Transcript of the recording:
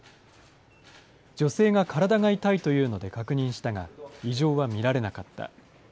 女性が体が痛いと言うので確認したが、異常は見られなかった。